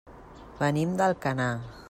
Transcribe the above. Venim d'Alcanar.